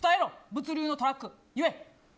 物流のトラックや。